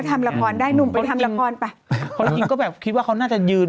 ทำละครได้หนุ่มไปทำละครไปคนจริงก็แบบคิดว่าเขาน่าจะยืน